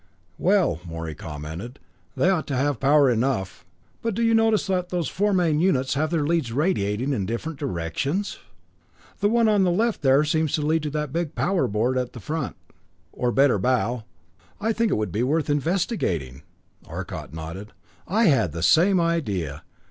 "Well," Morey commented, "they ought to have power enough. But do you notice that those four main units have their leads radiating in different directions? The one on the left there seems to lead to that big power board at the front or better, bow. I think it would be worth investigating." Arcot nodded. "I had the same idea.